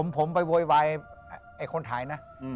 ผมไปโวยวายไอ้คนถ่ายนะ